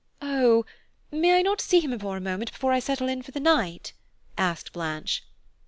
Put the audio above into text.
"Oh! may I not see him for a moment before I settle for the night?" asked Blanche.